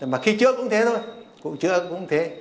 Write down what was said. mà khi chữa cũng thế thôi cũng chữa cũng thế